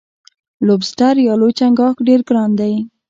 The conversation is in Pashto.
لوبسټر یا لوی چنګاښ ډیر ګران دی.